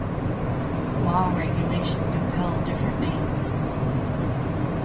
Law regulation compel different names.